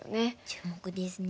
注目ですね。